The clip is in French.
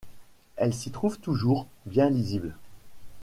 Elle s'y trouve toujours, bien lisible.